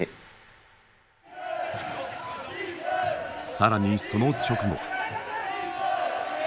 更にその直後。